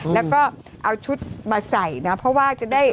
แล้วก็เอาชุดมาใส่นะเพราะว่าจะได้